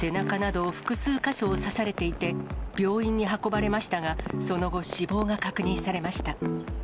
背中など複数箇所を刺されていて、病院に運ばれましたが、その後、死亡が確認されました。